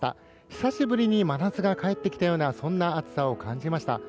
久しぶりに真夏が帰ってきたようなそんな暑さを感じました。